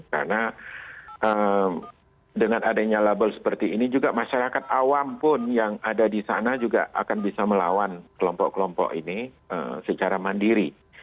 karena dengan adanya label seperti ini juga masyarakat awam pun yang ada di sana juga akan bisa melawan kelompok kelompok ini secara mandiri